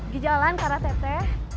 di jalan kara tete